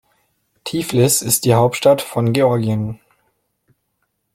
Tiflis ist die Hauptstadt von Georgien.